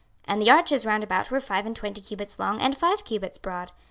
26:040:030 And the arches round about were five and twenty cubits long, and five cubits broad.